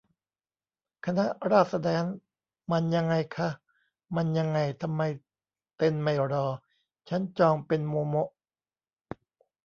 คณะราษแดนซ์ มันยังไงคะ มันยังไง ทำไมเต้นไม่รอ ชั้นจองเป็นโมโมะ !